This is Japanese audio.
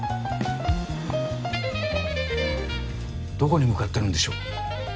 どこに向かってるんでしょう？